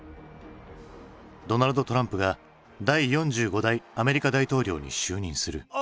ドナルド・トランプが第４５代アメリカ大統領に就任する。